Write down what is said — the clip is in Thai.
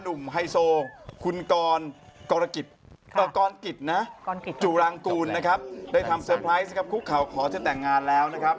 นุ่มคริสโหลดหักจุรังคุณนะครับได้ทำชั้นไพแสไท์จะตัดงานแล้วนะครับ